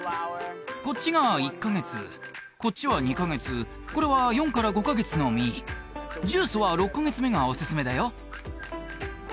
こっちが１カ月こっちは２カ月これは４から５カ月の実ジュースは６カ月目がおすすめだよ